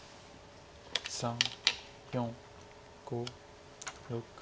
３４５６。